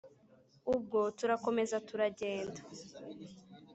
ubwo turakomeza turagenda,